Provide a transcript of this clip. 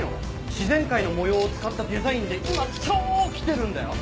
自然界の模様を使ったデザインで今超キテるんだよ。